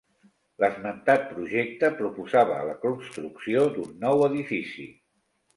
L'esmentat projecte proposava la construcció d'un nou edifici.